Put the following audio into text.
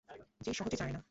যে সহজে যায় না।